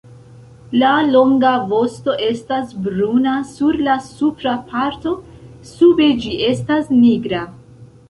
La longa vosto estas bruna sur la supra parto, sube ĝi estas nigra.